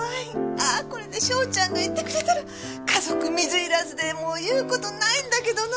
ああこれで章ちゃんがいてくれたら家族水入らずでもう言う事ないんだけどな。